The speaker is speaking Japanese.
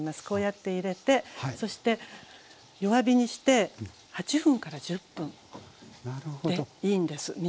こうやって入れてそして弱火にして８分１０分でいいんです。